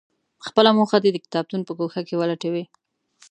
خپله موخه دې د کتابتون په ګوښه کې ولټوي.